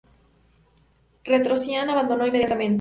Petrosian abandonó inmediatamente.